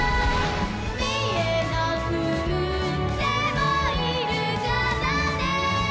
「みえなくってもいるからね」